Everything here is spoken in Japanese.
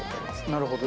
なるほど。